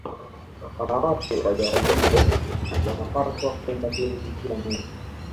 wanawake wajawazito wanapaswa kwenda kliniki kila mwezi